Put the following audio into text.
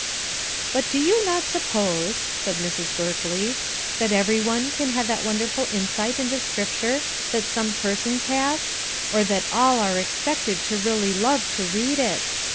'" "But you do not suppose," said Mrs. Berkely, "that every one can have that wonderful insight into Scripture that some persons have, or that all are expected to really love to read it.